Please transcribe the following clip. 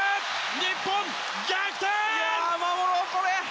日本、逆転！